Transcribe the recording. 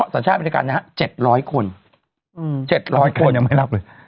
สัญชาติอเมริกันนะฮะเจ็ดร้อยคนอืมเจ็ดร้อยคนยังไม่รับเลย